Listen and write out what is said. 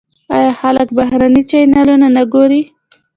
آیا خلک بهرني چینلونه نه ګوري؟